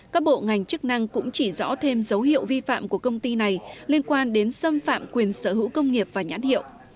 các bộ ngành chức năng cũng chỉ rõ thêm dấu hiệu vi phạm của công ty này liên quan đến xâm phạm quyền sở hữu công nghiệp và nhãn hiệu